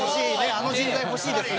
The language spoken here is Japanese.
あの人材欲しいですね。